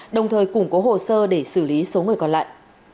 đồng thời củng cố hồ sơ để xử lý số người còn lại